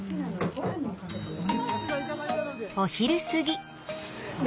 お昼過ぎ。